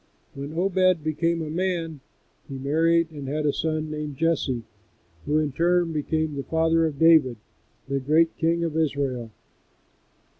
When Obed became a man he married and had a son named Jesse, who in turn became the father of David, the great king of Israel.